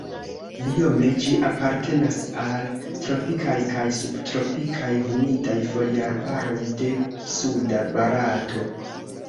Biome ĝi apartenas al tropikaj kaj subtropikaj humidaj foliarbaroj de suda Barato.